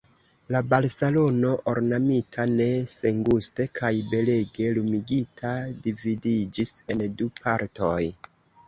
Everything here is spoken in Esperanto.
La balsalono, ornamita ne senguste, kaj belege lumigita, dividiĝis en du partoj.